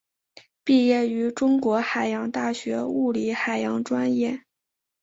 毕业于中国海洋大学物理海洋专业。